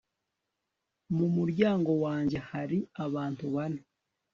mu muryango wanjye hari abantu bane